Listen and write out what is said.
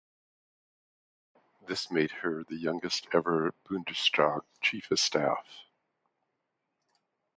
This made her the youngest ever Bundestag chief of staff.